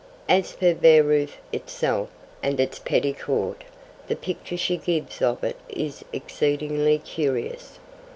As for Baireuth itself, and its petty Court, the picture she gives of it is exceedingly curious.